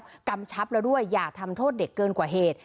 คนดังกล่าวแล้วกรรมชับแล้วด้วยอย่าทำโทษเด็กเกินกว่าเหตุ